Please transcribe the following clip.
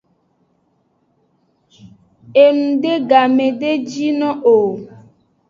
Enude game de jino o.